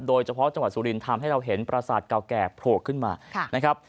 โดยเฉพาะจังหวัดสุรินททำให้เราเห็นประสาทเก่าแก่โผล่ขึ้นมานะครับ